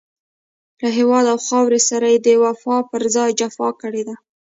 له هېواد او خاورې سره يې د وفا پر ځای جفا کړې ده.